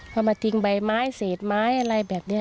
เอามาทิ้งใบไม้เศษไม้อะไรแบบนี้